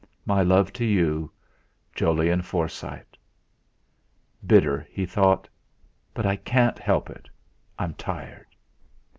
"My love to you, "JOLYON FORSYTE." '.itter,' he thought, 'but I can't help it. I'm tired.'